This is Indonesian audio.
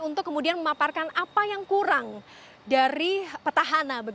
untuk kemudian memaparkan apa yang kurang dari petahana